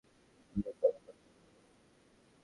গুলি করা বন্ধ করো!